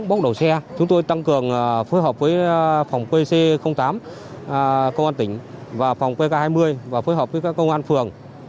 phối hợp với phòng qc tám công an tỉnh và phòng qk hai mươi và phối hợp với các công an phường